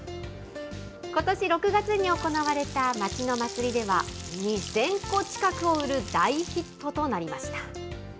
ことし６月に行われた町の祭りでは、２０００個近くを売る大ヒットとなりました。